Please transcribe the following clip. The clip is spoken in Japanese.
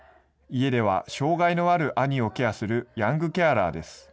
家では障害のある兄をケアするヤングケアラーです。